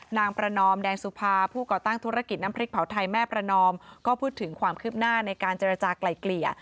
นางประนอมแดงสุภาผู้ก่อตั้งธุรกิจน้ำพริกเผาไทยแม่ประนอมก็พูดถึงความคืบหน้าในการเจรจากลายเกลี่ย